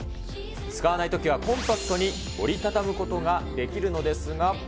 使わないときはコンパクトに折り畳むことができるのですが。